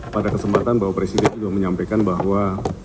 pada kesempatan bapak presiden sudah menyampaikan bahwa